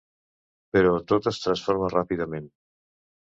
Però tot es transforma ràpidament.